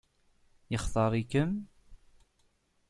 Yextaṛ-ikem?